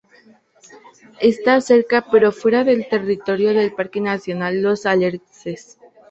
Está cerca, pero fuera del territorio del Parque Nacional Los Alerces.